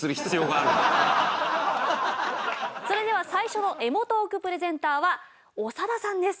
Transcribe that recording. それでは最初のエモトークプレゼンターは長田さんです。